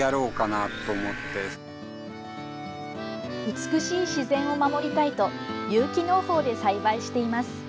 美しい自然を守りたいと有機農法で栽培しています。